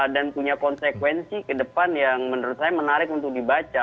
dan punya konsekuensi ke depan yang menurut saya menarik untuk dibaca